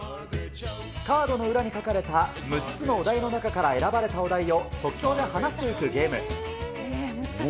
カードの裏に書かれた６つのお題の中から選ばれたお題を、即興で話すというゲーム。